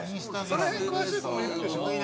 その辺詳しい子もいるんでしょ？